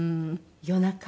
夜中。